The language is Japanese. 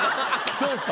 そうですか。